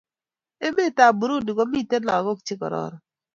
Emet ab Burundi komiten lakok che kararan